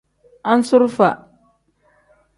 Anzurufa.